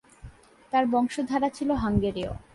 তার বংশধারা ছিল হাঙ্গেরীয়।